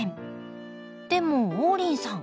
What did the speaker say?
でも王林さん